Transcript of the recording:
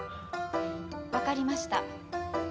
わかりました。